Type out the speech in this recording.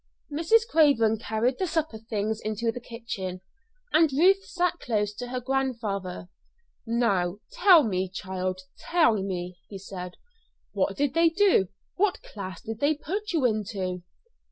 Mrs. Craven carried the supper things into the kitchen, and Ruth sat close to her grandfather. "Now, tell me, child, tell me," he said. "What did they do? What class did they put you into?"